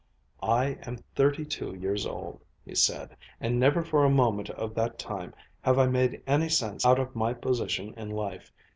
"I am thirty two years old," he said, "and never for a moment of that time have I made any sense out of my position in life.